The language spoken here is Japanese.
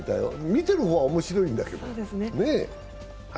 見てる方は面白いんだけど。